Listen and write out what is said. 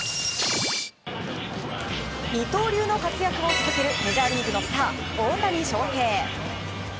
二刀流の活躍を続けるメジャーリーグのスター大谷翔平。